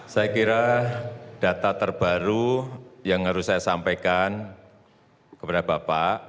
saya kira data terbaru yang harus saya sampaikan kepada bapak